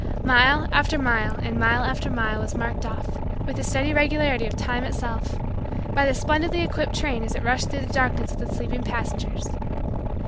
Mile after mile and mile after mile was marked off, with the steady regularity of time itself, by the splendidly equipped train as it rushed through the darkness with its sleeping passengers.